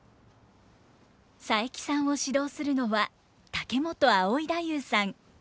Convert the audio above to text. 佐伯さんを指導するのは竹本葵太夫さん。